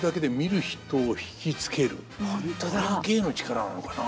これが芸の力なのかな。